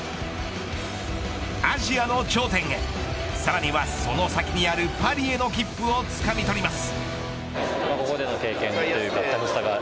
アジアの頂点へさらには、その先にあるパリへの切符をつかみとります。